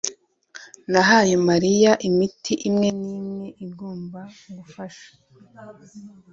Nahaye Mariya imiti imwe nimwe igomba gufasha